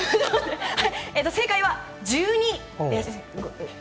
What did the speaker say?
正解は１２です！